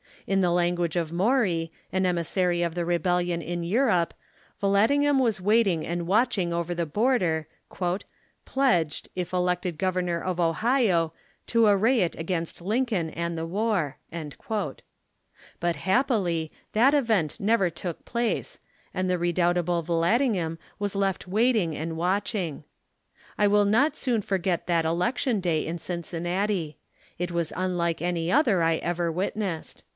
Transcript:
In the language of Maury, an emissary of the rehellion in Europe, Vallandig ham was waiting and watching over the horder, "pledged, if elected Governor of Ohio, to array it against Lincoln and the war." But happily, that event never took place, and the redoubtal)le Yallandigham was left waiting and watching. I will not soon forget that election day in Cin cinnati. It was unlike any other I ever witnessed.